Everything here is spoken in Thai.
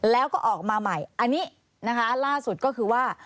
แล้วก็ออกมาใหม่อันนี้นะคะล่าสุดก็คือว่า